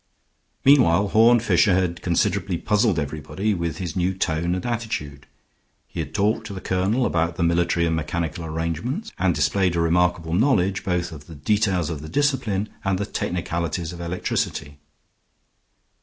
Meanwhile Horne Fisher had considerably puzzled everybody with his new tone and attitude. He had talked to the colonel about the military and mechanical arrangements, and displayed a remarkable knowledge both of the details of discipline and the technicalities of electricity.